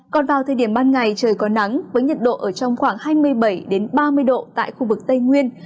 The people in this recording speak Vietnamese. còn vào thời điểm ban ngày trời có nắng với nhiệt độ ở trong khoảng hai mươi bảy ba mươi độ tại khu vực tây nguyên